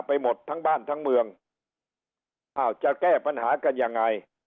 ไปหมดทั้งบ้านทั้งเมืองอ้าวจะแก้ปัญหากันยังไง